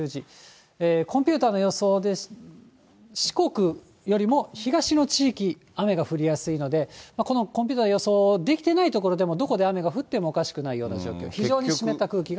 コンピューターの予想で、四国よりも東の地域、雨が降りやすいので、このコンピューターの予想、できてない所でも、どこで雨が降ってもおかしくないような状況。